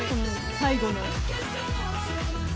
最後の。